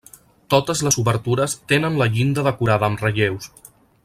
Totes les obertures tenen la llinda decorada amb relleus.